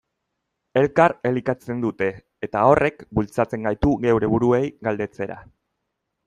Elkar elikatzen dute, eta horrek bultzatzen gaitu geure buruei galdetzera.